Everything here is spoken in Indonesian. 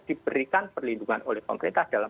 diberikan perlindungan oleh pemerintah dalam